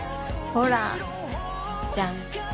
ほらじゃん！